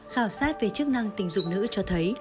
khảo sát về chức năng tình dục nữ cho thấy